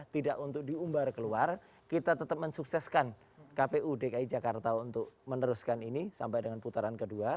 tidak untuk diumbar keluar kita tetap mensukseskan kpu dki jakarta untuk meneruskan ini sampai dengan putaran kedua